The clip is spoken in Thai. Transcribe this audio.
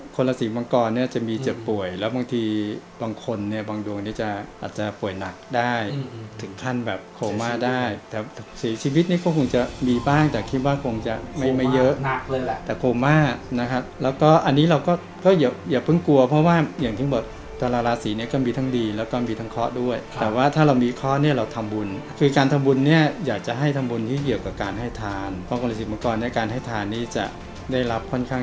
คนละสีมังกรเนี่ยจะมีเจ็บป่วยแล้วบางทีบางคนเนี่ยบางโดงเนี่ยจะอาจจะป่วยหนักได้ถึงขั้นแบบโคม่าได้แต่สีชีวิตเนี่ยก็คงจะมีบ้างแต่คิดว่าคงจะไม่ไม่เยอะแต่โคม่านะครับแล้วก็อันนี้เราก็ก็อย่าเพิ่งกลัวเพราะว่าอย่างที่บอกตลาราสีเนี่ยก็มีทั้งดีแล้วก็มีทั้งข้อด้วยแต่ว่าถ้าเรามีข้อเนี่ยเราทำ